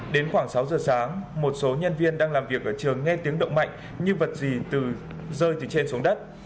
đến khoảng sáu giờ sáng một số nhân viên đang làm việc ở trường nghe tiếng động mạnh nhưng vật gì rơi từ trên xuống đất